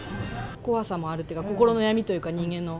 怖さもあるというか心の闇というか人間の。